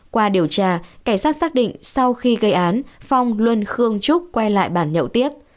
qua điều tra cảnh sát xác định sau khi gây án phong luân khương trúc quay lại bàn nhậu tiếp